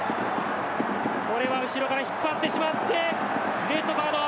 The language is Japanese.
これは後ろから引っ張ってしまってレッドカード。